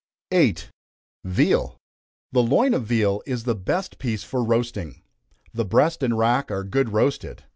8. Veal. The loin of veal is the best piece for roasting. The breast and rack are good roasted.